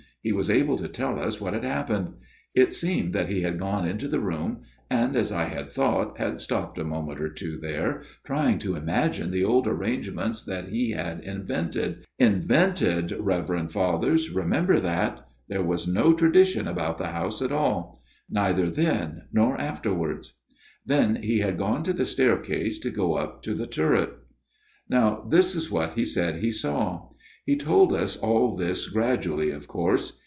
He was able to tell us what had happened. It seemed that he had gone into the room, and, as I had thought, had stopped a moment or two there, trying to imagine the old arrangements that he had invented invented, 230 A MIRROR OF SHALOTT Reverend Fathers ; remember that : there was no tradition about the house at all. Neither then nor afterwards. Then he had gone to the staircase to go up to the turret. " Now, this is what he said he saw he told us all this gradually, of course.